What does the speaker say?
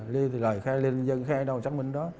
lời khai lên dân khai đâu chắc mình đó